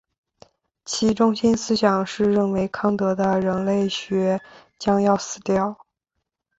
其中心思想是认为康德的人类学将要死掉。